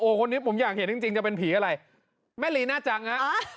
คนนี้ผมอยากเห็นจริงจริงจะเป็นผีอะไรแม่ลีน่าจังฮะ